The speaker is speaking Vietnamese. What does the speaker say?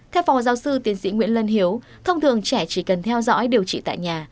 theo phó giáo sư tiến sĩ nguyễn lân hiếu thông thường trẻ chỉ cần theo dõi điều trị tại nhà